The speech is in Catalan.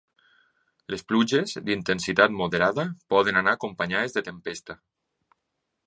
Les pluges, d’intensitat moderada, poden anar acompanyades de tempesta.